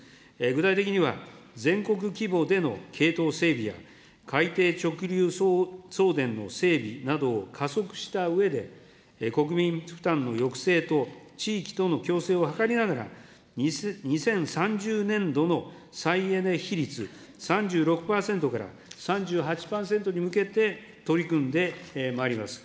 具体的には全国規模での系統整備や海底直流送電の整備などを加速したうえで、国民負担の抑制と地域との共生を図りながら、２０３０年度の再エネ比率３６％から３８％に向けて、取り組んでまいります。